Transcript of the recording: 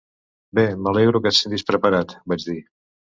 "Bé, M'alegro que et sentis preparat", vaig dir.